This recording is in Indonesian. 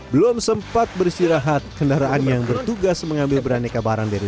belum sempat bersirahat kendaraan yang bertugas mengambil beraneka barang dari